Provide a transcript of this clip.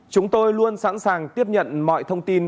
chúng tôi luôn sẵn sàng tiếp nhận mọi thông tin